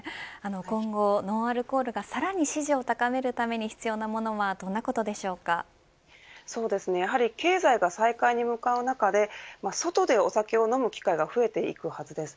今後ノンアルコールがさらに支持を高めるためには経済が再開に向かう中で外でお酒を飲む機会が増えていくはずです。